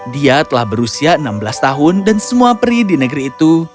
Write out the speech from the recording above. dia telah berusia enam belas tahun dan semua peri di negeri itu